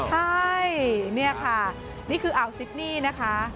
ใช่นี่ค่ะนี่คืออ่าวซิดนี่นะคะ